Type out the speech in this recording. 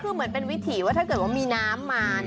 คือเหมือนเป็นวิถีว่าถ้าเกิดว่ามีน้ำมา